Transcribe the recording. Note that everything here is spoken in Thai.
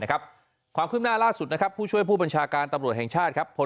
ครามขึ้นหน้าร่าสุดผู้ช่วยผู้บัญชาการตำรวจแห่งชาติ